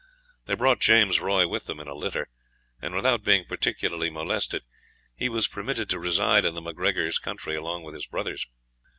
They brought James Roy with them in a litter; and, without being particularly molested, he was permitted to reside in the MacGregor's country along with his brothers.